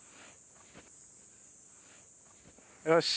よし。